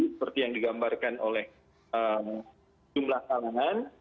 seperti yang digambarkan oleh jumlah kalangan